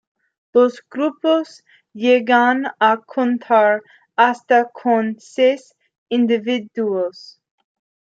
Los grupos llegan a contar hasta con seis individuos.